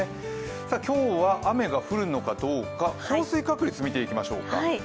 今日は雨が降るのかどうか、降水確率見ていきましょうか。